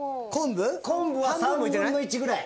昆布は３分の１ぐらい。